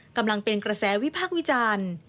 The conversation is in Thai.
กำลังเป็นกระแสวิพากษ์วิจารณ์